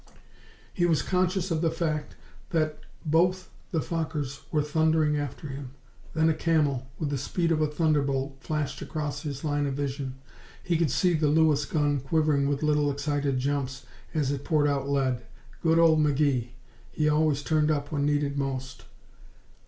He was conscious of the fact that both the Fokkers were thundering after him. Then a Camel, with the speed of a thunderbolt, flashed across his line of vision. He could see the Lewis gun quivering with little excited jumps as it poured out lead. Good old McGee! He always turned up when needed most.